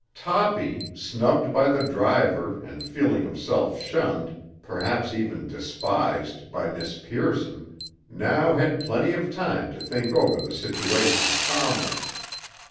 Toppy, snubbed by the driver and feeling himself shunned, perhaps even despised, by Miss Pearson, now had plenty of time to think over the situation calmly.